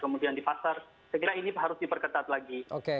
kemudian di pasar saya kira ini harus diperketat lagi